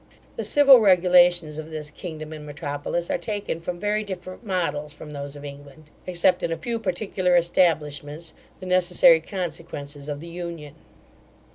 The civil regulations of this kingdom and metropolis are taken from very different models from those of England, except in a few particular establishments, the necessary consequences of the union.